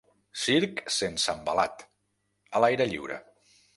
Circ sense envelat, a l'aire lliure.